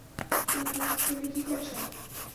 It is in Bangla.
তু-তু-তুমি কী করছ?